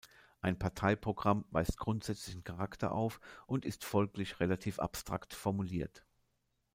Ein Parteiprogramm weist grundsätzlichen Charakter auf und ist folglich relativ abstrakt formuliert.